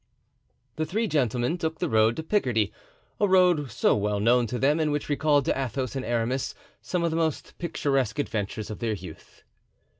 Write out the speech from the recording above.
The three gentlemen took the road to Picardy, a road so well known to them and which recalled to Athos and Aramis some of the most picturesque adventures of their youth.